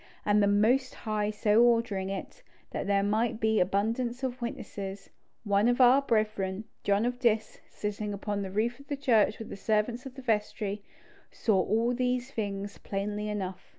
And the Most High so ordering it, that there might be abundance of witnesses, one of our brethren, John of Diss, sitting upon the roof of the church with the servants of the vestry, saw all these things plainly enough.